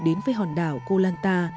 đến với hòn đảo koh lanta